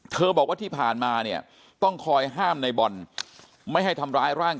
บอกว่าที่ผ่านมาเนี่ยต้องคอยห้ามในบอลไม่ให้ทำร้ายร่าง